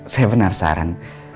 saya benar saran